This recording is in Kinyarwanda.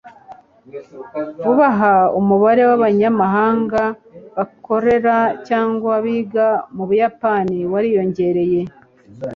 vuba aha, umubare w'abanyamahanga bakora cyangwa biga mu buyapani wariyongereye